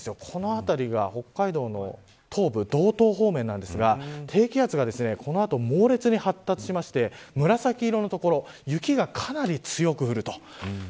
この辺りが北海道の東部道東方面なんですが低気圧がこの後、猛烈に発達して紫色の所雪がかなり強く降ると。